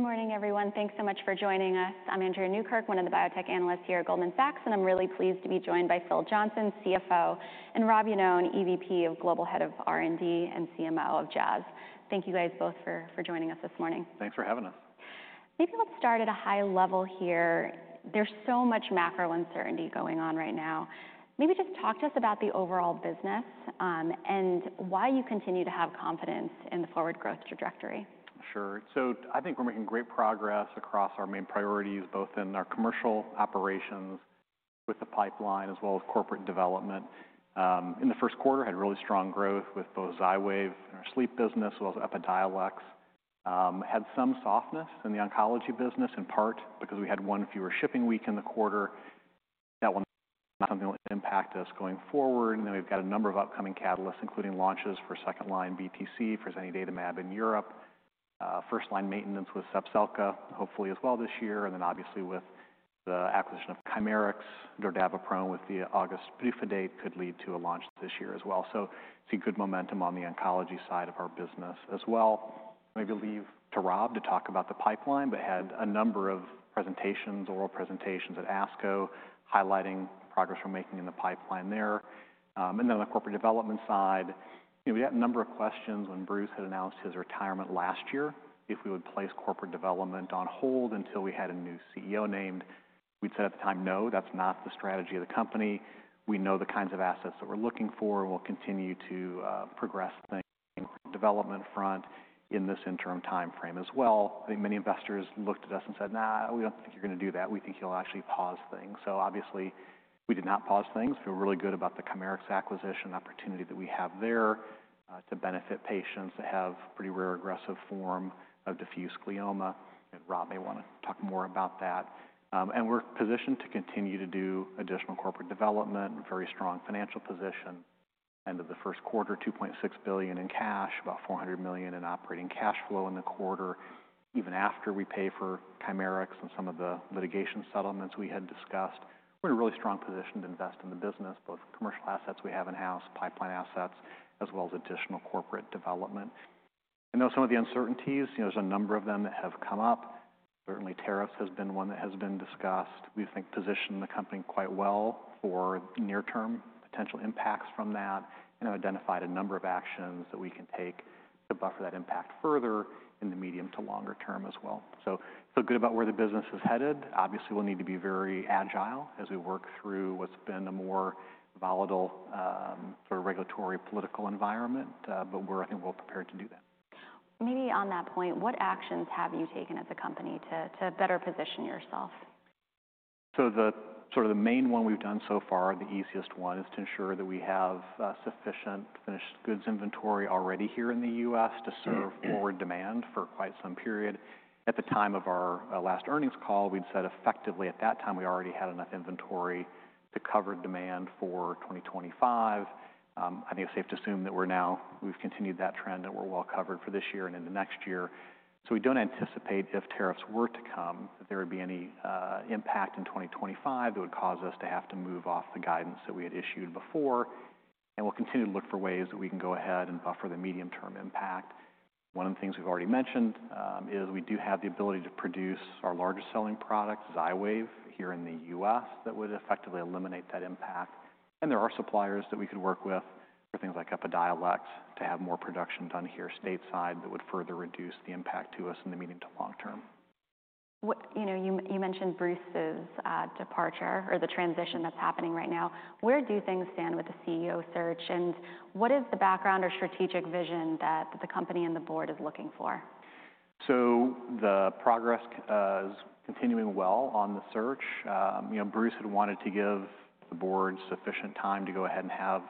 Good morning, everyone. Thanks so much for joining us. I'm Andrea Newkirk, one of the biotech analysts here at Goldman Sachs, and I'm really pleased to be joined by Phil Johnson, CFO, and Rob Iannone, EVP of Global Head of R&D and CMO of Jazz. Thank you guys both for joining us this morning. Thanks for having us. Maybe let's start at a high level here. There's so much macro uncertainty going on right now. Maybe just talk to us about the overall business and why you continue to have confidence in the forward growth trajectory. Sure. I think we're making great progress across our main priorities, both in our commercial operations with the pipeline as well as corporate development. In the first quarter, we had really strong growth with both Xywav and our sleep business, as well as Epidiolex. We had some softness in the oncology business, in part because we had one fewer shipping week in the quarter. That was something that will impact us going forward. We have a number of upcoming catalysts, including launches for second line BTC, for zanidatamab in Europe, first line maintenance with Zepzelca, hopefully as well this year. Obviously with the acquisition of Chimerix, dordaviprone with the August briefing date could lead to a launch this year as well. I see good momentum on the oncology side of our business as well. Maybe I'll leave to Rob to talk about the pipeline, but had a number of presentations, oral presentations at ASCO, highlighting progress we're making in the pipeline there. On the corporate development side, we had a number of questions when Bruce had announced his retirement last year, if we would place corporate development on hold until we had a new CEO named. We'd said at the time, no, that's not the strategy of the company. We know the kinds of assets that we're looking for, and we'll continue to progress things on the development front in this interim timeframe as well. I think many investors looked at us and said, nah, we don't think you're going to do that. We think you'll actually pause things. Obviously we did not pause things. We were really good about the Chimerix acquisition opportunity that we have there to benefit patients that have pretty rare aggressive form of diffuse glioma. Rob may want to talk more about that. We are positioned to continue to do additional corporate development, very strong financial position. End of the first quarter, $2.6 billion in cash, about $400 million in operating cash flow in the quarter. Even after we pay for Chimerix and some of the litigation settlements we had discussed, we are in a really strong position to invest in the business, both commercial assets we have in-house, pipeline assets, as well as additional corporate development. I know some of the uncertainties, there is a number of them that have come up. Certainly, tariffs has been one that has been discussed. We think position the company quite well for near-term potential impacts from that, and have identified a number of actions that we can take to buffer that impact further in the medium to longer term as well. Feel good about where the business is headed. Obviously, we'll need to be very agile as we work through what's been a more volatile sort of regulatory political environment, but I think we're prepared to do that. Maybe on that point, what actions have you taken as a company to better position yourself? The sort of the main one we've done so far, the easiest one, is to ensure that we have sufficient finished goods inventory already here in the U.S. to serve forward demand for quite some period. At the time of our last earnings call, we'd said effectively at that time we already had enough inventory to cover demand for 2025. I think it's safe to assume that we've continued that trend and we're well covered for this year and into next year. We don't anticipate if tariffs were to come that there would be any impact in 2025 that would cause us to have to move off the guidance that we had issued before. We'll continue to look for ways that we can go ahead and buffer the medium-term impact. One of the things we've already mentioned is we do have the ability to produce our largest selling product, Xywav, here in the U.S. that would effectively eliminate that impact. There are suppliers that we could work with for things like Epidiolex to have more production done here stateside that would further reduce the impact to us in the medium to long term. You mentioned Bruce's departure or the transition that's happening right now. Where do things stand with the CEO search, and what is the background or strategic vision that the company and the board is looking for? The progress is continuing well on the search. Bruce had wanted to give the board sufficient time to go ahead and have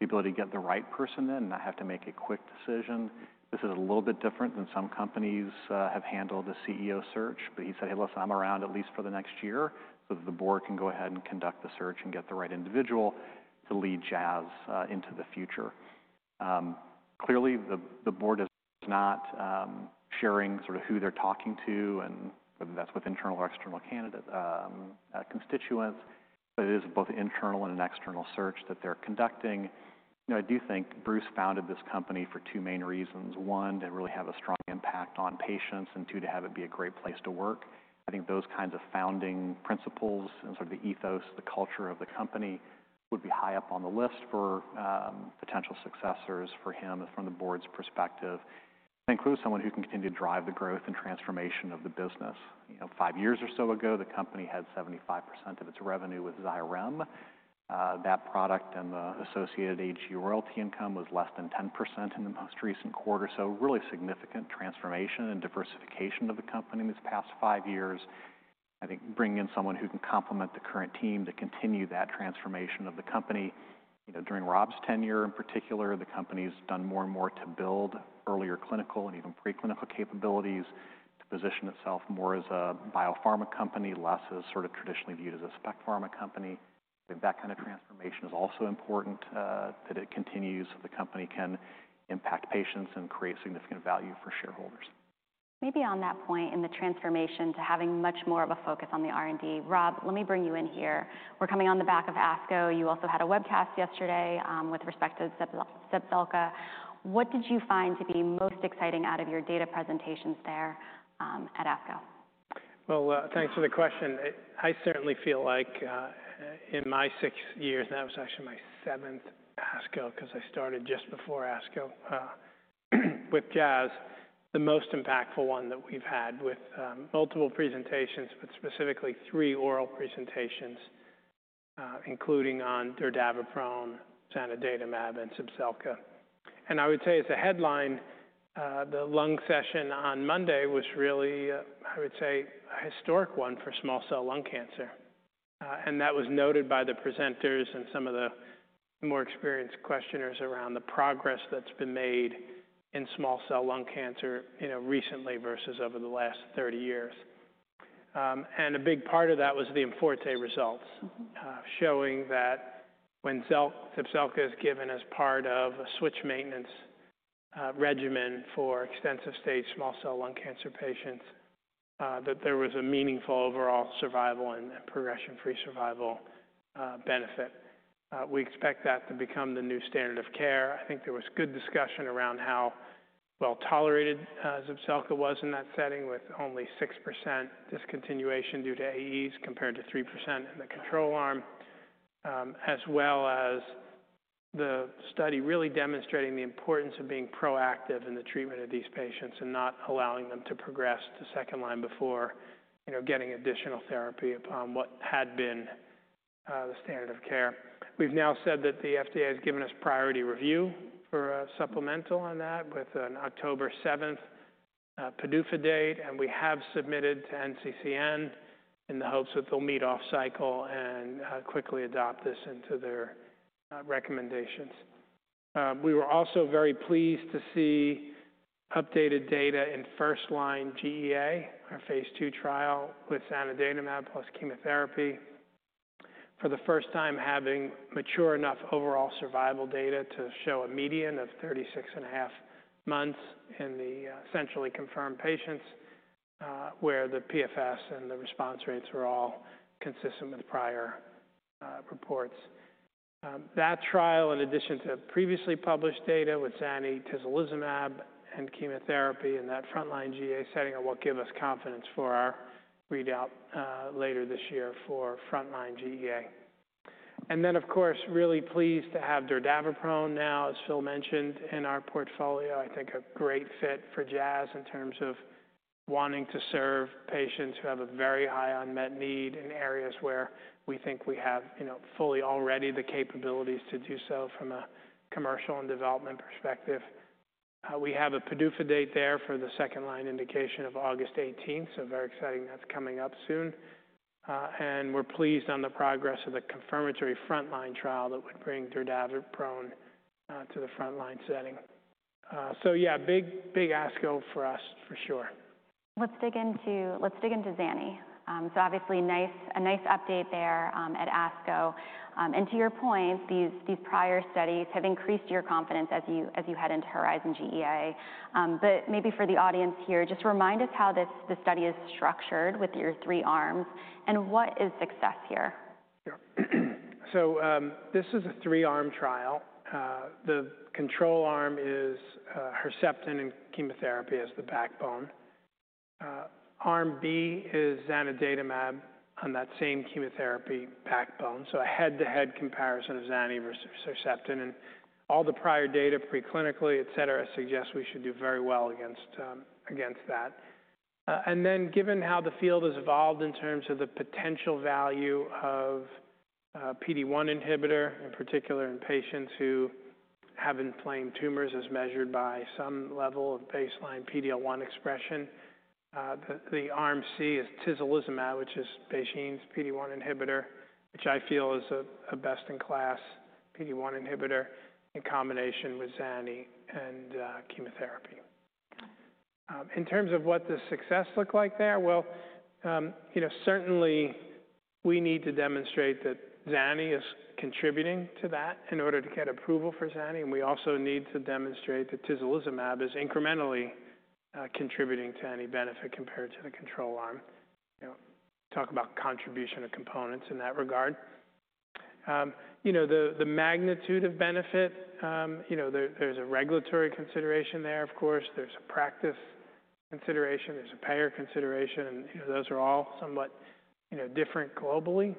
the ability to get the right person in and not have to make a quick decision. This is a little bit different than some companies have handled the CEO search, but he said, hey, listen, I'm around at least for the next year so that the board can go ahead and conduct the search and get the right individual to lead Jazz into the future. Clearly, the board is not sharing sort of who they're talking to, and whether that's with internal or external constituents, but it is both internal and an external search that they're conducting. I do think Bruce founded this company for two main reasons. One, to really have a strong impact on patients, and two, to have it be a great place to work. I think those kinds of founding principles and sort of the ethos, the culture of the company would be high up on the list for potential successors for him from the board's perspective. That includes someone who can continue to drive the growth and transformation of the business. Five years or so ago, the company had 75% of its revenue with Xyrem. That product and the associated HG royalty income was less than 10% in the most recent quarter. Really significant transformation and diversification of the company in these past five years. I think bringing in someone who can complement the current team to continue that transformation of the company. During Rob's tenure in particular, the company has done more and more to build earlier clinical and even preclinical capabilities to position itself more as a biopharma company, less as sort of traditionally viewed as a spec pharma company. I think that kind of transformation is also important that it continues so the company can impact patients and create significant value for shareholders. Maybe on that point in the transformation to having much more of a focus on the R&D. Rob, let me bring you in here. We're coming on the back of ASCO. You also had a webcast yesterday with respect to Zepzelca. What did you find to be most exciting out of your data presentations there at ASCO? Thanks for the question. I certainly feel like in my six years, and that was actually my seventh at ASCO because I started just before ASCO with Jazz, the most impactful one that we've had with multiple presentations, but specifically three oral presentations, including on dordaviprone, zanidatamab, and Zepzelca. I would say as a headline, the lung session on Monday was really, I would say, a historic one for small cell lung cancer. That was noted by the presenters and some of the more experienced questioners around the progress that's been made in small cell lung cancer recently versus over the last 30 years. A big part of that was the IMforte results, showing that when Zepzelca is given as part of a switch maintenance regimen for extensive stage small cell lung cancer patients, there was a meaningful overall survival and progression-free survival benefit. We expect that to become the new standard of care. I think there was good discussion around how well tolerated Zepzelca was in that setting with only 6% discontinuation due to AEs compared to 3% in the control arm, as well as the study really demonstrating the importance of being proactive in the treatment of these patients and not allowing them to progress to second line before getting additional therapy upon what had been the standard of care. We've now said that the FDA has given us priority review for supplemental on that with an October 7 PDUFA date, and we have submitted to NCCN in the hopes that they'll meet off cycle and quickly adopt this into their recommendations. We were also very pleased to see updated data in first line GEA, our phase two trial with zanidatamab plus chemotherapy, for the first time having mature enough overall survival data to show a median of 36 and a half months in the centrally confirmed patients where the PFS and the response rates were all consistent with prior reports. That trial, in addition to previously published data with tislelizumab and chemotherapy in that front line GEA setting, will give us confidence for our readout later this year for front line GEA. Of course, really pleased to have dordaviprone now, as Phil mentioned, in our portfolio. I think a great fit for Jazz in terms of wanting to serve patients who have a very high unmet need in areas where we think we have fully already the capabilities to do so from a commercial and development perspective. We have a PDUFA date there for the second line indication of August 18, so very exciting that's coming up soon. We are pleased on the progress of the confirmatory front line trial that would bring dordaviprone to the front line setting. Yeah, big ASCO for us for sure. Let's dig into zanidatamab. Obviously a nice update there at ASCO. To your point, these prior studies have increased your confidence as you head into Herizon-GEA. Maybe for the audience here, just remind us how this study is structured with your three arms and what is success here. This is a three-arm trial. The control arm is Herceptin and chemotherapy as the backbone. Arm B is zanidatamab on that same chemotherapy backbone. A head-to-head comparison of zani versus Herceptin and all the prior data preclinically, et cetera, suggests we should do very well against that. Given how the field has evolved in terms of the potential value of PD-1 inhibitor, in particular in patients who have inflamed tumors as measured by some level of baseline PD-L1 expression, the arm C is tislelizumab, which is BeiGene's PD-1 inhibitor, which I feel is a best in class PD-1 inhibitor in combination with zani and chemotherapy. In terms of what does success look like there? Certainly we need to demonstrate that zani is contributing to that in order to get approval for zani. We also need to demonstrate that tislelizumab is incrementally contributing to any benefit compared to the control arm. Talk about contribution of components in that regard. The magnitude of benefit, there is a regulatory consideration there, of course. There is a practice consideration. There is a payer consideration. Those are all somewhat different globally.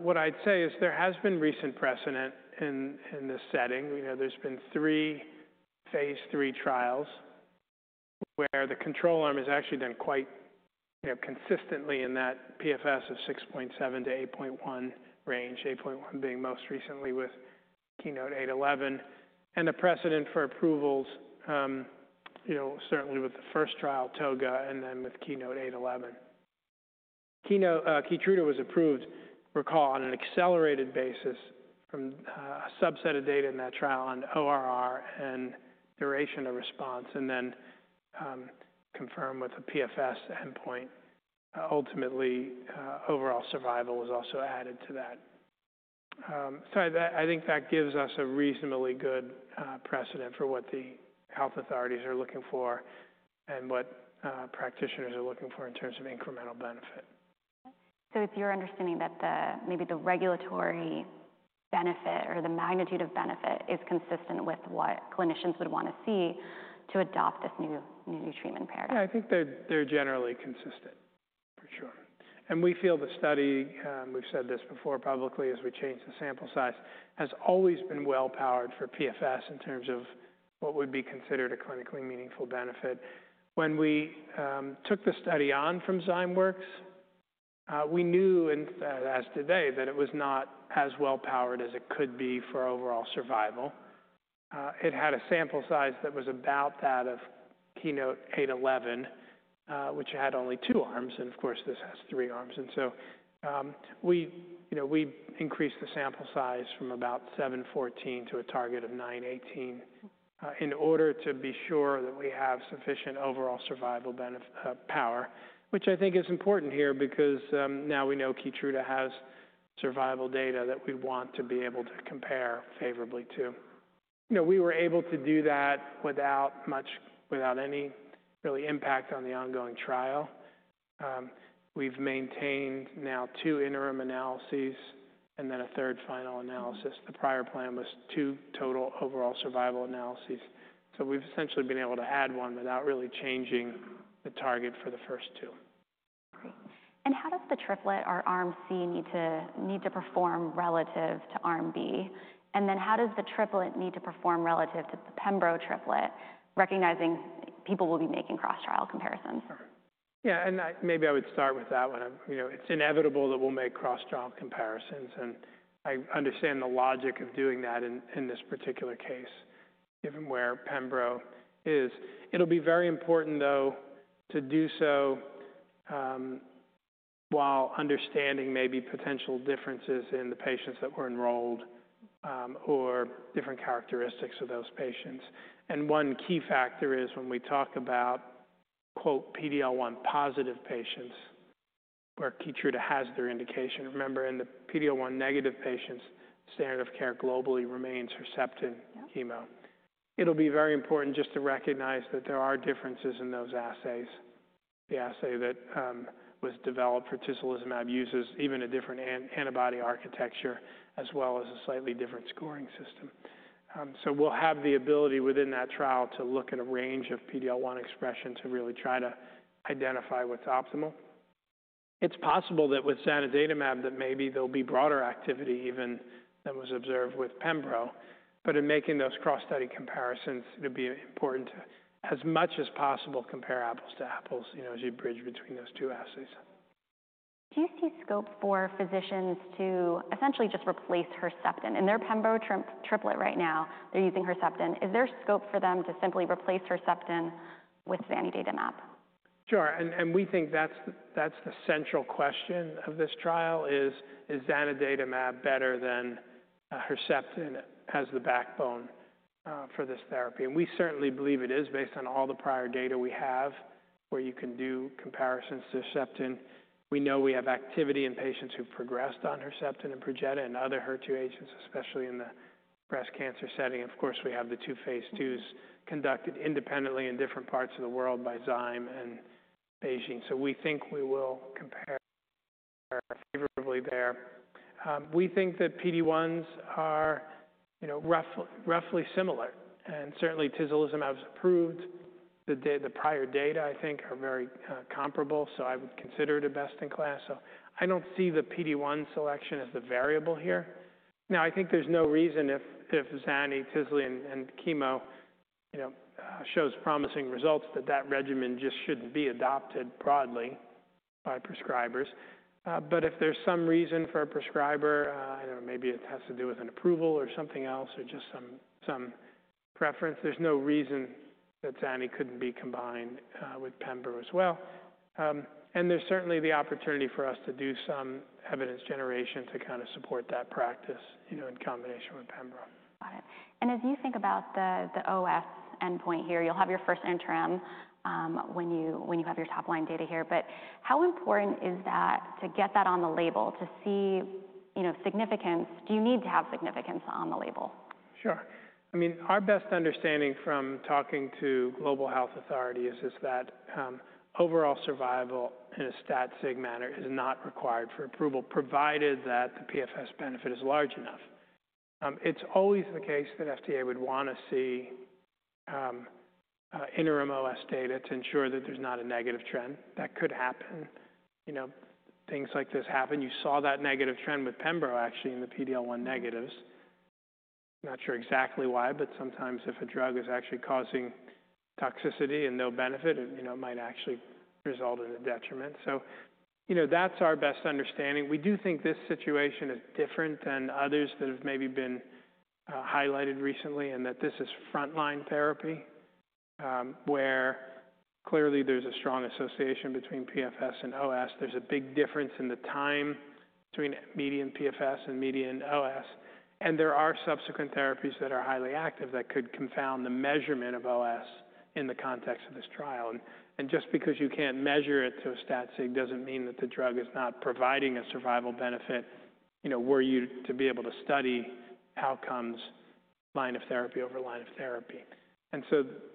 What I would say is there has been recent precedent in this setting. There have been three phase three trials where the control arm has actually done quite consistently in that PFS of 6.7-8.1 range, 8.1 being most recently with KEYNOTE-811. The precedent for approvals certainly with the first trial, ToGA, and then with KEYNOTE-811. Keytruda was approved, recall, on an accelerated basis from a subset of data in that trial on ORR and duration of response, and then confirmed with a PFS endpoint. Ultimately, overall survival was also added to that. I think that gives us a reasonably good precedent for what the health authorities are looking for and what practitioners are looking for in terms of incremental benefit. It's your understanding that maybe the regulatory benefit or the magnitude of benefit is consistent with what clinicians would want to see to adopt this new treatment paradigm? Yeah, I think they're generally consistent, for sure. We feel the study, we've said this before publicly as we changed the sample size, has always been well powered for PFS in terms of what would be considered a clinically meaningful benefit. When we took the study on from Zymeworks, we knew, and as today, that it was not as well powered as it could be for overall survival. It had a sample size that was about that of Keynote 811, which had only two arms, and of course, this has three arms. We increased the sample size from about 714 to a target of 918 in order to be sure that we have sufficient overall survival power, which I think is important here because now we know Keytruda has survival data that we want to be able to compare favorably to. We were able to do that without any real impact on the ongoing trial. We've maintained now two interim analyses and then a third final analysis. The prior plan was two total overall survival analyses. So we've essentially been able to add one without really changing the target for the first two. Great. How does the triplet or arm C need to perform relative to arm B? How does the triplet need to perform relative to the pembro triplet, recognizing people will be making cross-trial comparisons? Yeah, and maybe I would start with that one. It's inevitable that we'll make cross-trial comparisons, and I understand the logic of doing that in this particular case, given where pembro is. It'll be very important, though, to do so while understanding maybe potential differences in the patients that were enrolled or different characteristics of those patients. One key factor is when we talk about, quote, PD-L1 positive patients where Keytruda has their indication. Remember, in the PD-L1 negative patients, standard of care globally remains Herceptin chemo. It'll be very important just to recognize that there are differences in those assays. The assay that was developed for tislelizumab uses even a different antibody architecture as well as a slightly different scoring system. We'll have the ability within that trial to look at a range of PD-L1 expression to really try to identify what's optimal. It's possible that with zanidatamab that maybe there'll be broader activity even than was observed with pembro, but in making those cross-study comparisons, it'll be important to, as much as possible, compare apples to apples as you bridge between those two assays. Do you see scope for physicians to essentially just replace Herceptin? In their pembro triplet right now, they're using Herceptin. Is there scope for them to simply replace Herceptin with zanidatamab? Sure. We think that is the central question of this trial: is zanidatamab better than Herceptin as the backbone for this therapy? We certainly believe it is based on all the prior data we have where you can do comparisons to Herceptin. We know we have activity in patients who have progressed on Herceptin and Perjeta and other HER2 agents, especially in the breast cancer setting. Of course, we have the two phase twos conducted independently in different parts of the world by Zymeworks and BeiGene. We think we will compare favorably there. We think that PD-1s are roughly similar, and certainly, tislelizumab is approved. The prior data, I think, are very comparable, so I would consider it a best in class. I do not see the PD-1 selection as the variable here. Now, I think there's no reason if zani, tisle, and chemo shows promising results that that regimen just shouldn't be adopted broadly by prescribers. If there's some reason for a prescriber, I don't know, maybe it has to do with an approval or something else or just some preference, there's no reason that zani couldn't be combined with pembro as well. There's certainly the opportunity for us to do some evidence generation to kind of support that practice in combination with pembro. Got it. As you think about the OS endpoint here, you'll have your first interim when you have your top line data here. How important is that to get that on the label, to see significance? Do you need to have significance on the label? Sure. I mean, our best understanding from talking to global health authority is that overall survival in a stat-sig manner is not required for approval, provided that the PFS benefit is large enough. It's always the case that FDA would want to see interim OS data to ensure that there's not a negative trend. That could happen. Things like this happen. You saw that negative trend with pembro, actually, in the PD-L1 negatives. Not sure exactly why, but sometimes if a drug is actually causing toxicity and no benefit, it might actually result in a detriment. So that's our best understanding. We do think this situation is different than others that have maybe been highlighted recently and that this is front line therapy where clearly there's a strong association between PFS and OS. There's a big difference in the time between median PFS and median OS. There are subsequent therapies that are highly active that could confound the measurement of OS in the context of this trial. Just because you can't measure it to a stat-sig doesn't mean that the drug is not providing a survival benefit were you to be able to study outcomes, line of therapy over line of therapy.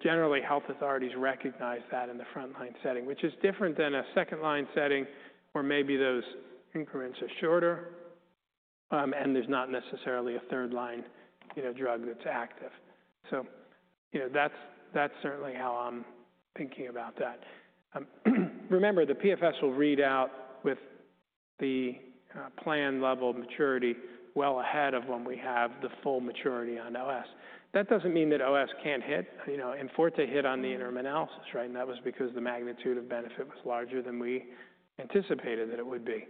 Generally, health authorities recognize that in the front line setting, which is different than a second line setting where maybe those increments are shorter and there's not necessarily a third line drug that's active. That's certainly how I'm thinking about that. Remember, the PFS will read out with the planned level of maturity well ahead of when we have the full maturity on OS. That doesn't mean that OS can't hit. IMforte, it hit on the interim analysis, right? That was because the magnitude of benefit was larger than we anticipated that it would be.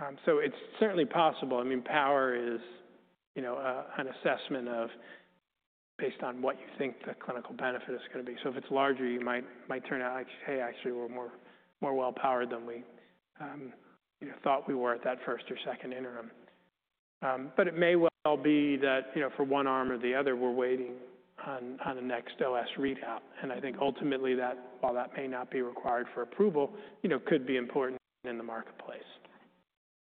It is certainly possible. I mean, power is an assessment based on what you think the clinical benefit is going to be. If it is larger, you might turn out, hey, actually, we are more well powered than we thought we were at that first or second interim. It may well be that for one arm or the other, we are waiting on the next OS readout. I think ultimately that while that may not be required for approval, it could be important in the marketplace.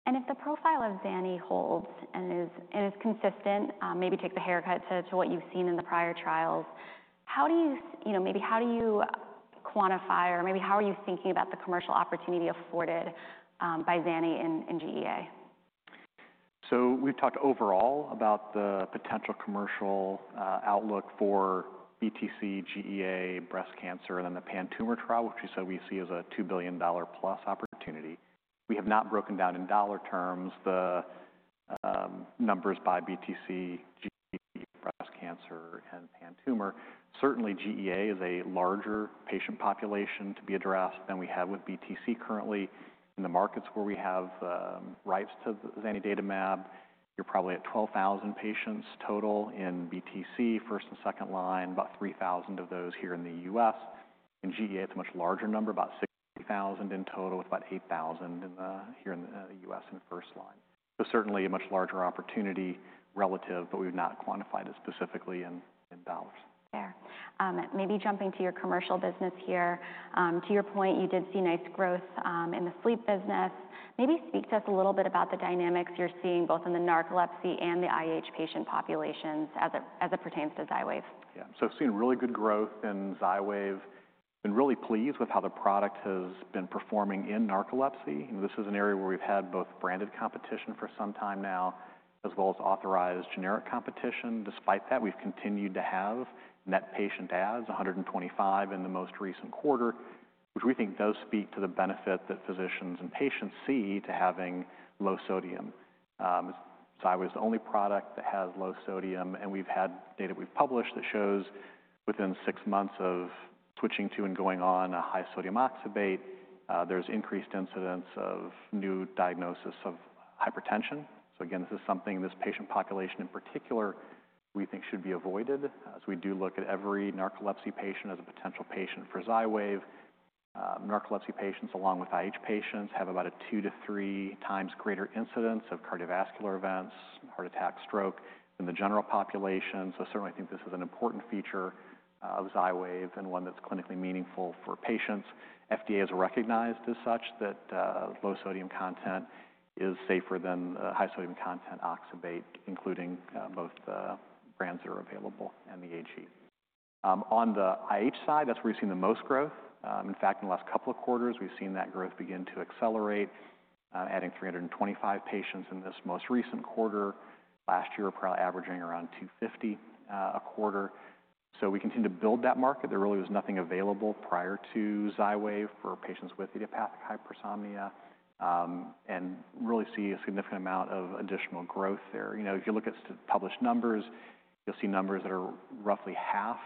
If the profile of zani holds and is consistent, maybe take the haircut to what you've seen in the prior trials, how do you, maybe how do you quantify or maybe how are you thinking about the commercial opportunity afforded by zani in GEA? We've talked overall about the potential commercial outlook for BTC, GEA, breast cancer, and then the pan tumor trial, which we said we see as a $2 billion plus opportunity. We have not broken down in dollar terms the numbers by BTC, GEA, breast cancer, and pan tumor. Certainly, GEA is a larger patient population to be addressed than we have with BTC currently. In the markets where we have rights to zanidatamab, you're probably at 12,000 patients total in BTC, first and second line, about 3,000 of those here in the U.S. In GEA, it's a much larger number, about 60,000 in total with about 8,000 here in the U.S. and first line. Certainly a much larger opportunity relative, but we've not quantified it specifically in dollars. There. Maybe jumping to your commercial business here. To your point, you did see nice growth in the sleep business. Maybe speak to us a little bit about the dynamics you're seeing both in the narcolepsy and the IH patient populations as it pertains to Xywav. Yeah. So I've seen really good growth in Xywav. I've been really pleased with how the product has been performing in narcolepsy. This is an area where we've had both branded competition for some time now as well as authorized generic competition. Despite that, we've continued to have net patient adds, 125 in the most recent quarter, which we think does speak to the benefit that physicians and patients see to having low sodium. Xywav is the only product that has low sodium, and we've had data we've published that shows within six months of switching to and going on a high sodium oxybate, there's increased incidence of new diagnosis of hypertension. This is something in this patient population in particular we think should be avoided as we do look at every narcolepsy patient as a potential patient for Xywav. Narcolepsy patients along with IH patients have about a two to three times greater incidence of cardiovascular events, heart attack, stroke than the general population. Certainly, I think this is an important feature of Xywav and one that's clinically meaningful for patients. FDA has recognized as such that low sodium content is safer than high sodium content oxybate, including both the brands that are available and the AG. On the IH side, that's where we've seen the most growth. In fact, in the last couple of quarters, we've seen that growth begin to accelerate, adding 325 patients in this most recent quarter. Last year, we were probably averaging around 250 a quarter. We continue to build that market. There really was nothing available prior to Xywav for patients with idiopathic hypersomnia and really see a significant amount of additional growth there. If you look at published numbers, you'll see numbers that are roughly half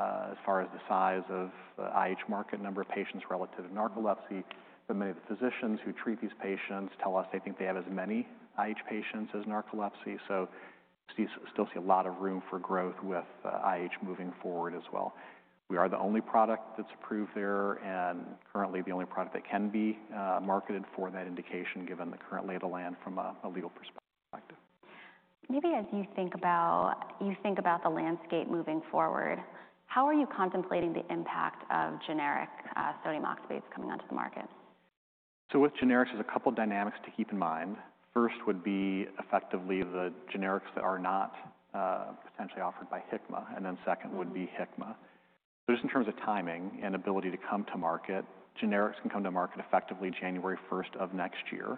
as far as the size of the IH market number of patients relative to narcolepsy. Many of the physicians who treat these patients tell us they think they have as many IH patients as narcolepsy. Still see a lot of room for growth with IH moving forward as well. We are the only product that's approved there and currently the only product that can be marketed for that indication given the current lay of the land from a legal perspective. Maybe as you think about the landscape moving forward, how are you contemplating the impact of generic sodium oxybates coming onto the market? With generics, there's a couple of dynamics to keep in mind. First would be effectively the generics that are not potentially offered by Hikma, and then second would be Hikma. Just in terms of timing and ability to come to market, generics can come to market effectively January 1 of next year.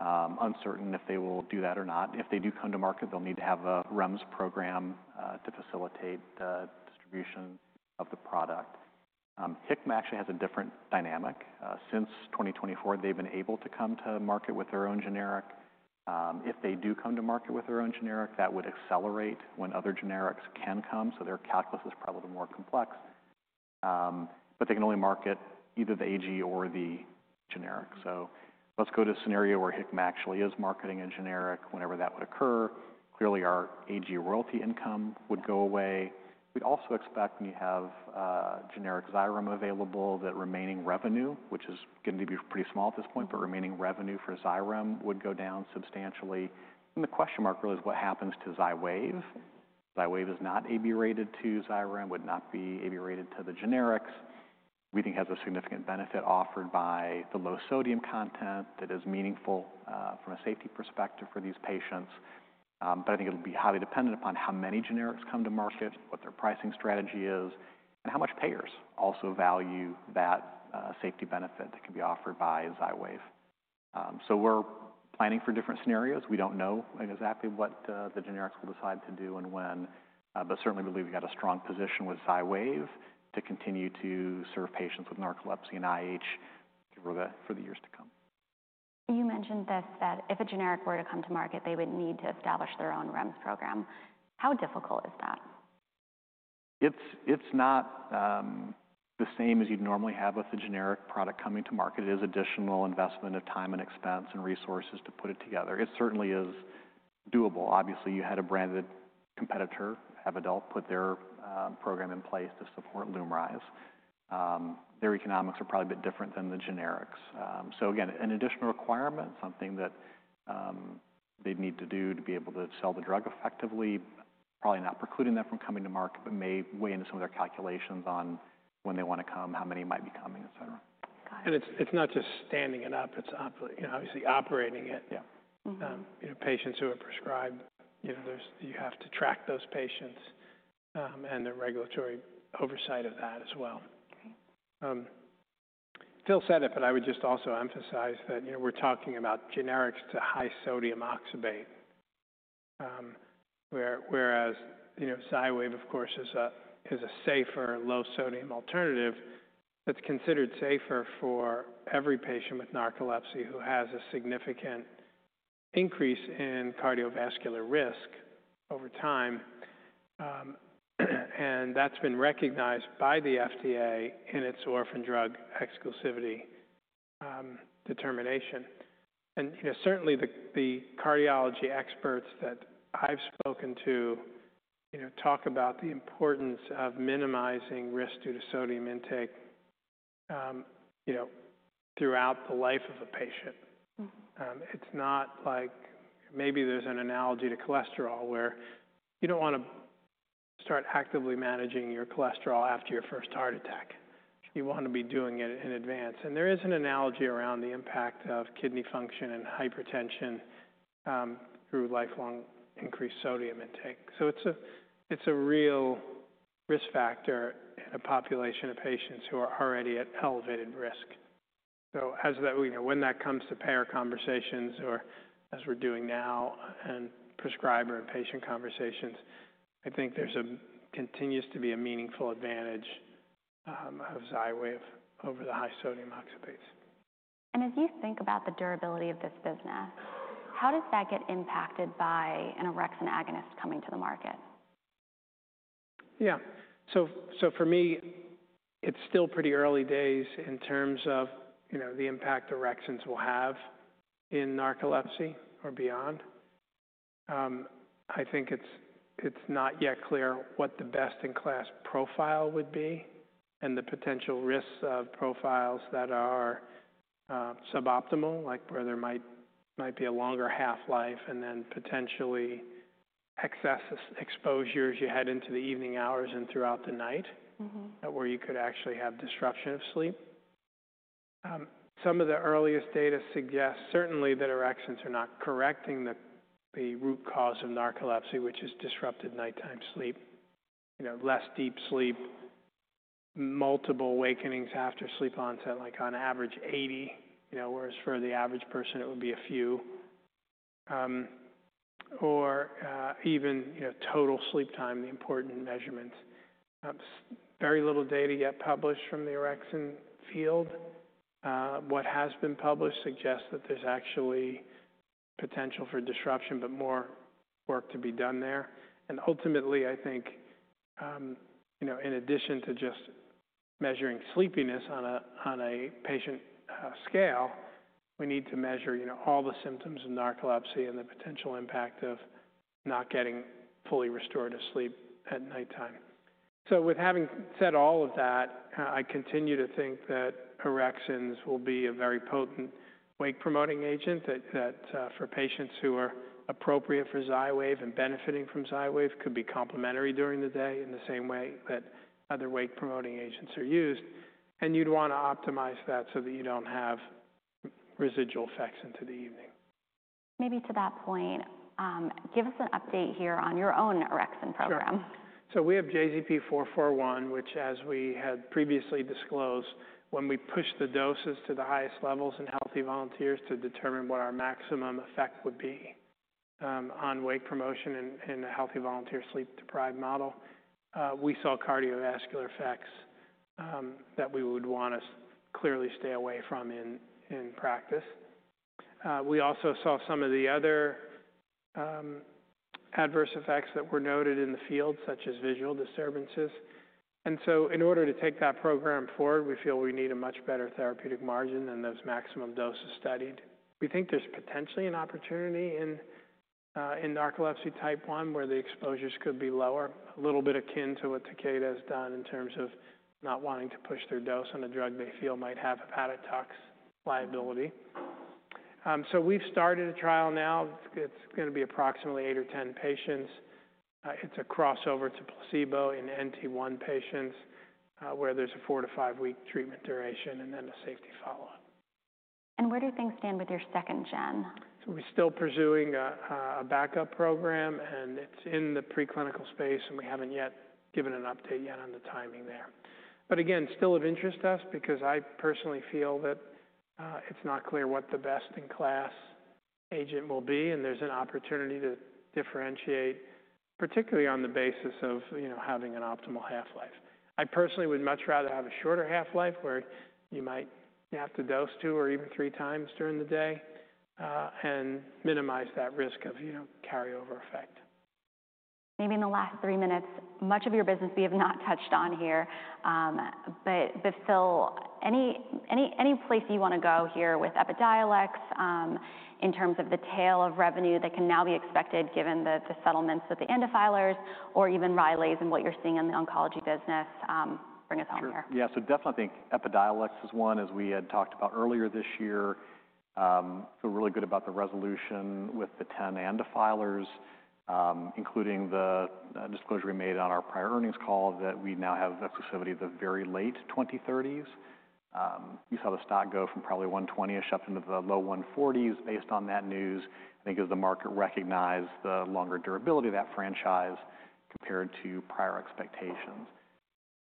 Uncertain if they will do that or not. If they do come to market, they'll need to have a REMS program to facilitate the distribution of the product. Hikma actually has a different dynamic. Since 2024, they've been able to come to market with their own generic. If they do come to market with their own generic, that would accelerate when other generics can come. Their calculus is probably more complex. They can only market either the AG or the generic. Let's go to a scenario where Hikma actually is marketing a generic whenever that would occur. Clearly, our AG royalty income would go away. We'd also expect when you have generic Xyrem available that remaining revenue, which is going to be pretty small at this point, but remaining revenue for Xyrem would go down substantially. The question mark really is what happens to Xywav. Xywav is not AB rated to Xyrem, would not be AB rated to the generics. We think it has a significant benefit offered by the low sodium content that is meaningful from a safety perspective for these patients. I think it'll be highly dependent upon how many generics come to market, what their pricing strategy is, and how much payers also value that safety benefit that can be offered by Xywav. We're planning for different scenarios. We don't know exactly what the generics will decide to do and when, but certainly believe we've got a strong position with Xywav to continue to serve patients with narcolepsy and IH for the years to come. You mentioned this that if a generic were to come to market, they would need to establish their own REMS program. How difficult is that? It's not the same as you'd normally have with a generic product coming to market. It is additional investment of time and expense and resources to put it together. It certainly is doable. Obviously, you had a branded competitor, Aquestive, put their program in place to support LUMRYZ. Their economics are probably a bit different than the generics. Again, an additional requirement, something that they'd need to do to be able to sell the drug effectively, probably not precluding them from coming to market, but may weigh into some of their calculations on when they want to come, how many might be coming, etc. It is not just standing it up. It is obviously operating it. Patients who are prescribed, you have to track those patients and the regulatory oversight of that as well. Phil said it, but I would just also emphasize that we are talking about generics to high sodium oxybate, whereas Xywav, of course, is a safer low sodium alternative that is considered safer for every patient with narcolepsy who has a significant increase in cardiovascular risk over time. That has been recognized by the FDA in its orphan drug exclusivity determination. Certainly, the cardiology experts that I have spoken to talk about the importance of minimizing risk due to sodium intake throughout the life of a patient. There is maybe an analogy to cholesterol where you do not want to start actively managing your cholesterol after your first heart attack. You want to be doing it in advance. There is an analogy around the impact of kidney function and hypertension through lifelong increased sodium intake. It is a real risk factor in a population of patients who are already at elevated risk. When that comes to payer conversations or as we are doing now and prescriber and patient conversations, I think there continues to be a meaningful advantage of Xywav over the high sodium oxalates. As you think about the durability of this business, how does that get impacted by an orexin agonist coming to the market? Yeah. For me, it's still pretty early days in terms of the impact orexins will have in narcolepsy or beyond. I think it's not yet clear what the best in class profile would be and the potential risks of profiles that are suboptimal, like where there might be a longer half-life and then potentially excess exposures you had into the evening hours and throughout the night where you could actually have disruption of sleep. Some of the earliest data suggest certainly that orexins are not correcting the root cause of narcolepsy, which is disrupted nighttime sleep, less deep sleep, multiple awakenings after sleep onset, like on average 80, whereas for the average person, it would be a few, or even total sleep time, the important measurements. Very little data yet published from the orexin field. What has been published suggests that there's actually potential for disruption, but more work to be done there. Ultimately, I think in addition to just measuring sleepiness on a patient scale, we need to measure all the symptoms of narcolepsy and the potential impact of not getting fully restorative sleep at nighttime. With having said all of that, I continue to think that orexins will be a very potent wake-promoting agent that for patients who are appropriate for Xywav and benefiting from Xywav could be complementary during the day in the same way that other wake-promoting agents are used. You'd want to optimize that so that you do not have residual effects into the evening. Maybe to that point, give us an update here on your own orexin program. Sure. We have JZP441, which, as we had previously disclosed, when we push the doses to the highest levels in healthy volunteers to determine what our maximum effect would be on wake promotion in a healthy volunteer sleep deprived model, we saw cardiovascular effects that we would want to clearly stay away from in practice. We also saw some of the other adverse effects that were noted in the field, such as visual disturbances. In order to take that program forward, we feel we need a much better therapeutic margin than those maximum doses studied. We think there's potentially an opportunity in narcolepsy type 1 where the exposures could be lower, a little bit akin to what Takeda has done in terms of not wanting to push their dose on a drug they feel might have hepatotox liability. We have started a trial now. It's going to be approximately eight or ten patients. It's a crossover to placebo in NT1 patients where there's a four- to five-week treatment duration and then a safety follow-up. Where do things stand with your second gen? We're still pursuing a backup program, and it's in the preclinical space, and we haven't yet given an update yet on the timing there. Again, still of interest to us because I personally feel that it's not clear what the best in class agent will be, and there's an opportunity to differentiate, particularly on the basis of having an optimal half-life. I personally would much rather have a shorter half-life where you might have to dose two or even three times during the day and minimize that risk of carryover effect. Maybe in the last three minutes, much of your business we have not touched on here. Phil, any place you want to go here with Epidiolex in terms of the tail of revenue that can now be expected given the settlements with the ANDA filers or even RYLAZE and what you're seeing in the oncology business bring us home here? Sure. Yeah. So definitely I think Epidiolex is one, as we had talked about earlier this year. Feel really good about the resolution with the 10 ANDA filers, including the disclosure we made on our prior earnings call that we now have exclusivity of the very late 2030s. We saw the stock go from probably $120, a shift into the low $140s based on that news, I think as the market recognized the longer durability of that franchise compared to prior expectations.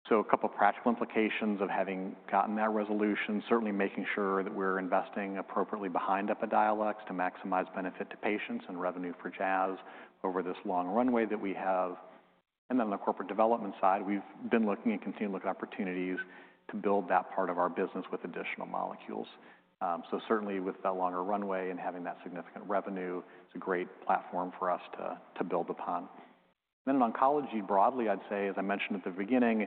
A couple of practical implications of having gotten that resolution, certainly making sure that we're investing appropriately behind Epidiolex to maximize benefit to patients and revenue for Jazz over this long runway that we have. On the corporate development side, we've been looking and continue to look at opportunities to build that part of our business with additional molecules. Certainly with that longer runway and having that significant revenue, it's a great platform for us to build upon. Oncology broadly, I'd say, as I mentioned at the beginning,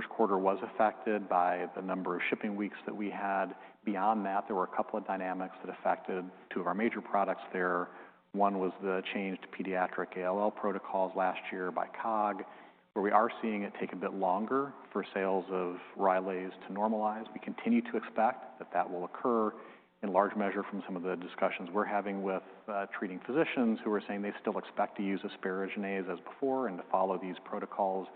first quarter was affected by the number of shipping weeks that we had. Beyond that, there were a couple of dynamics that affected two of our major products there. One was the change to pediatric ALL protocols last year by COG, where we are seeing it take a bit longer for sales of RYLAZE to normalize. We continue to expect that will occur in large measure from some of the discussions we're having with treating physicians who are saying they still expect to use asparaginase as before and to follow these protocols.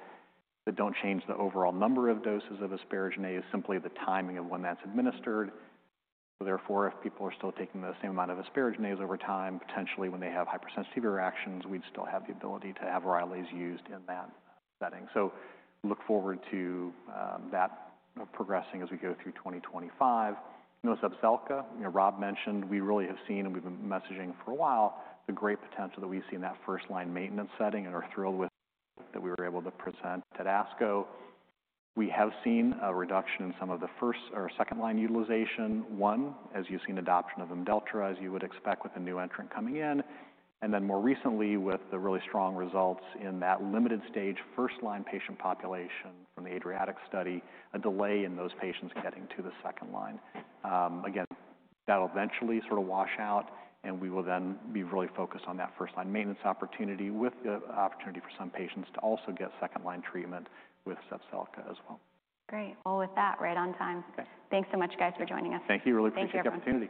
They don't change the overall number of doses of asparaginase, simply the timing of when that's administered. Therefore, if people are still taking the same amount of asparaginase over time, potentially when they have hypersensitivity reactions, we'd still have the ability to have RYLAZE used in that setting. Look forward to that progressing as we go through 2025. No Zepzelca, Rob mentioned, we really have seen and we've been messaging for a while the great potential that we've seen in that first-line maintenance setting and are thrilled with what we were able to present at ASCO. We have seen a reduction in some of the first or second-line utilization. One, as you've seen adoption of Imdelltra, as you would expect with a new entrant coming in. More recently, with the really strong results in that limited-stage first-line patient population from the Adriatic study, a delay in those patients getting to the second line. Again, that'll eventually sort of wash out, and we will then be really focused on that first-line maintenance opportunity with the opportunity for some patients to also get second-line treatment with Zepzelca as well. Great. All with that, right on time. Thanks so much, guys, for joining us. Thank you. Really appreciate the opportunity.